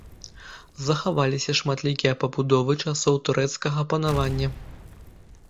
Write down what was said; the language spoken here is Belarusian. Захаваліся шматлікія пабудовы часоў турэцкага панавання.